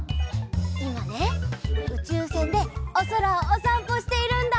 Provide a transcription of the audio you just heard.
いまねうちゅうせんでおそらをおさんぽしているんだ。